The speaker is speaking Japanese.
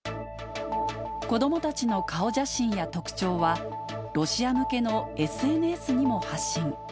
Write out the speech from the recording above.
子どもたちの顔写真や特徴は、ロシア向けのＳＮＳにも発信。